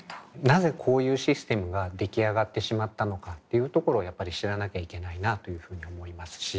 なぜこういうシステムが出来上がってしまったのかっていうところをやっぱり知らなきゃいけないなというふうに思いますし。